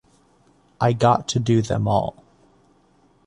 I got to do them all.